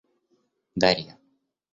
Дарья